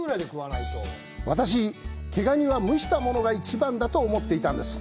私、毛ガニは蒸したものが一番だと思っていたんです。